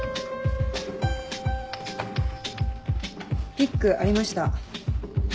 ピックありました。